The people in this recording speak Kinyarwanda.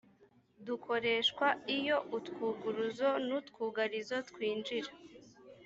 dukoreshwa iyo utwuguruzo n utwugarizo twinjira